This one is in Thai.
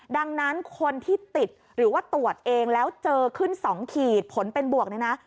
ดังนั้นคนที่ติดหรือว่าตรวจเองแล้วเจอขึ้น๒ขีดผลเป็นบวกเนี่ยนะ